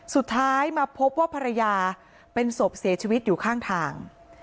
สุดท้ายมาพบว่าภรรยาเป็นศพเสียชีวิตอยู่ข้างทาง